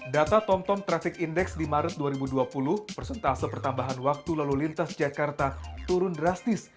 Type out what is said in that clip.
data tomtom traffic index di maret dua ribu dua puluh persentase pertambahan waktu lalu lintas jakarta turun drastis